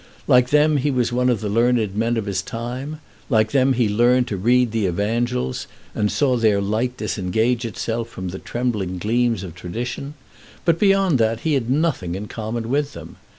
Like them he was one of the learned men of his time; like them he learned to read the Evangels, and saw their light disengage itself from the trembling gleams of tradition; but beyond that he has nothing in common with them.